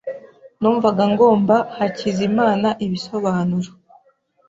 Numvaga ngomba Hakizimana ibisobanuro.